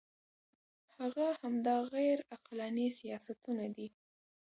هغه همدا غیر عقلاني سیاستونه دي.